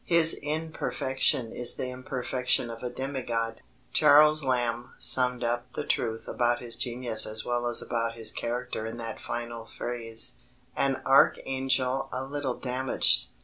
His imperfection is the imperfection of a demi god. Charles Lamb summed up the truth about his genius as well as about his character in that final phrase, "an archangel a little damaged."